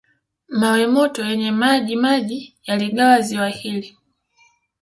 Mawe moto yenye majimaji yaligawa ziwa hili